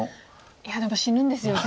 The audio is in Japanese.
いやでも死ぬんですよね。